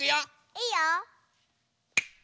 いいよ！